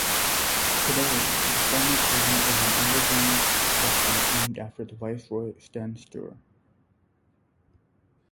Today the former prison is an underground restaurant named after the viceroy Sten Sture.